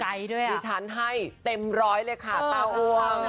ดิฉันให้เต็มร้อยเลยค่ะตาอ้วง